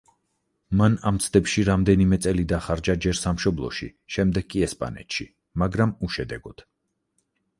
მან ამ ცდებში რამდენიმე წელი დახარჯა ჯერ სამშობლოში შემდეგ კი ესპანეთში, მაგრამ უშედეგოდ.